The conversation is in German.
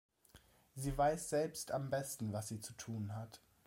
Sie weiß selbst am besten, was sie zu tun hat.